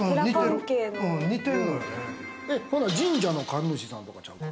ほな神社の神主さんとかちゃうか？